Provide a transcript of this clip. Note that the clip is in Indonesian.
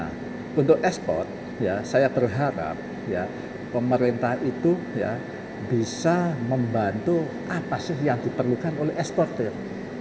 nah untuk ekspor saya berharap pemerintah itu bisa membantu apa sih yang diperlukan oleh eksportir